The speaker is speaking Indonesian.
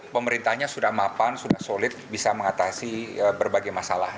pemerintahnya sudah mapan sudah solid bisa mengatasi berbagai masalah